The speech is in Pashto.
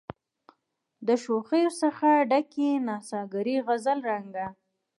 د شوخیو څخه ډکي نڅاګرې غزل رنګه